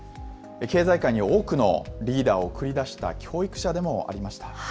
経済界に多くのリーダーを送り出した教育者でもありました。